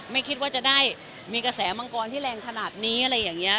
ไม่คิดว่าจะได้มีกระแสมังกรที่แรงขนาดนี้อะไรอย่างนี้